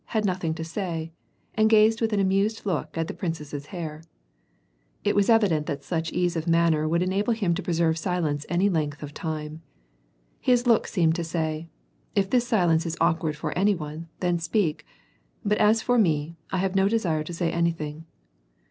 iiad nothing to say, and gazed with an amused look at the i)rinoess's hair. It wiis evident that such ease of manner would enable him to pre serve silence any length of time. His look seemed to say :If this silence is awkward for any one, then speak ; but as for me, I have no desire to say anything.